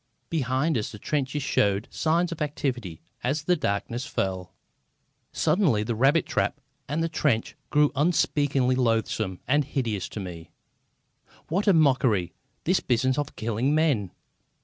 Behind us the trenches showed signs of activity as the darkness fell. Suddenly the rabbit trap and the trench grew unspeakably loathsome and hideous to me. What a mockery, this business of killing men!